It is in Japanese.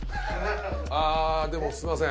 ああでもすみません。